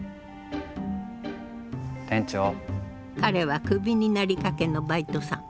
彼はクビになりかけのバイトさん。